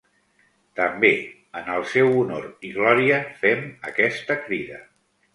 També en el seu honor i glòria fem aquesta crida.